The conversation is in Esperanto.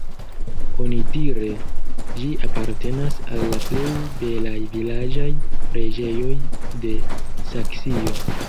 Onidire ĝi apartenas al la plej belaj vilaĝaj preĝejoj de Saksio.